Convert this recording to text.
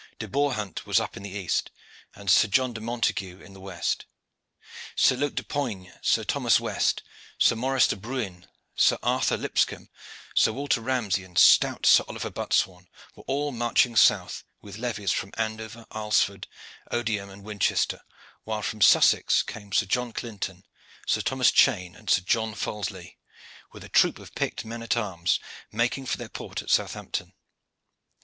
De Borhunte was up in the east, and Sir John de Montague in the west. Sir Luke de Ponynges, Sir Thomas West, Sir Maurice de Bruin, Sir Arthur Lipscombe, Sir Walter Ramsey, and stout Sir Oliver Buttesthorn were all marching south with levies from Andover, Arlesford, Odiham and Winchester, while from Sussex came Sir John Clinton, Sir Thomas Cheyne, and Sir John Fallislee, with a troop of picked men at arms, making for their port at Southampton.